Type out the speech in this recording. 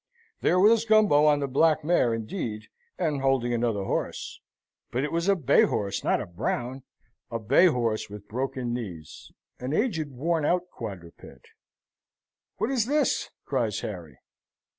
There was Gumbo on the black mare, indeed, and holding another horse. But it was a bay horse, not a brown a bay horse with broken knees an aged, worn out quadruped. "What is this?" cries Harry.